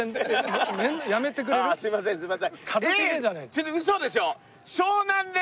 ちょっとウソでしょ？